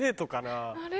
あれ？